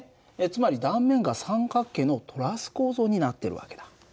つまり断面が三角形のトラス構造になってる訳だ。